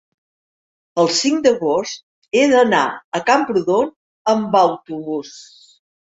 el cinc d'agost he d'anar a Camprodon amb autobús.